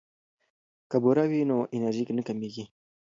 که بوره وي نو انرژي نه کمیږي.